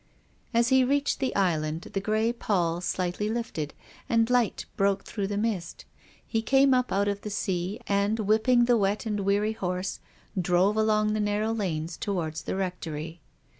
As he reached the island, the grey pall slightly lifted and light broke through the mist. He came up out of the sea, and, whipping the wet and weary horse, drove along the narrow lanes towards the Rectory.